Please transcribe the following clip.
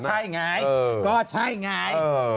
ใช่ไงก็ใช่ไง